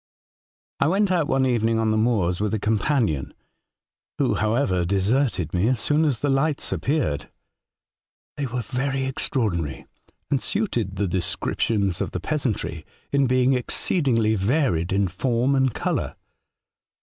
" I went out one evening on the moors with a companion, who, however, deserted me as soon as the lights appeared. They were very extra ordinary, and suited the descriptions of the peasantry, in being exceedingly varied in form and colour.